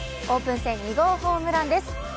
オープン戦２号ホームランです。